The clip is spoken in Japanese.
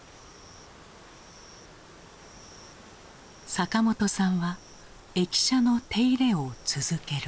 坂本さんは駅舎の手入れを続ける。